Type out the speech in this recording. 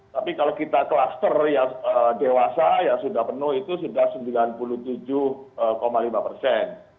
tapi kalau kita kluster yang dewasa yang sudah penuh itu sudah sembilan puluh tujuh lima persen